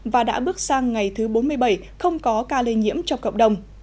và đã bước sang ngày thứ bốn mươi bảy không có ca lây nhiễm trong cộng đồng